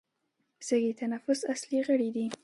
سږي د تنفس اصلي غړي دي